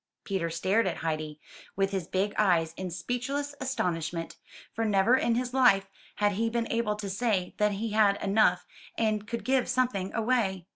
'' Peter stared at Heidi, with his big eyes, in speechless astonishment; for never in his life had he been able to say that he had had enough and could give something away.